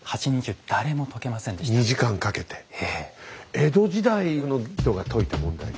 江戸時代の人が解いた問題で。